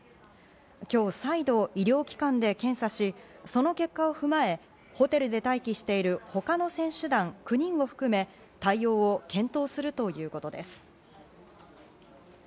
今日再度、医療機関で検査し、その結果を踏まえ、ホテルで待機している他の選手団９人を含め対応を検討するということです。